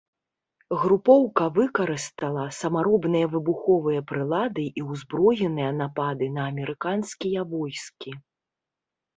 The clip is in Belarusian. Групоўка выкарыстала самаробныя выбуховыя прылады і ўзброеныя напады на амерыканскія войскі.